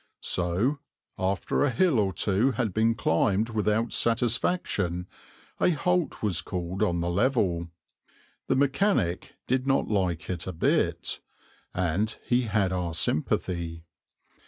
So, after a hill or two had been climbed without satisfaction, a halt was called on the level. The mechanic did not like it a bit, and he had our sympathy.